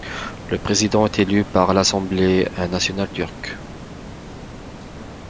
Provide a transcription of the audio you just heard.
Le président est élu par l'assemblée nationale turque.